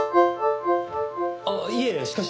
あっいえしかし。